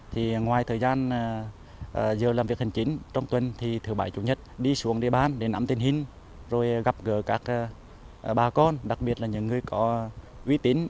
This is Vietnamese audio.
thì ngoài thời gian giờ làm việc hành chính trong tuần thì thứ bảy chủ nhật đi xuống địa bàn để nắm tình hình rồi gặp gỡ các bà con đặc biệt là những người có uy tín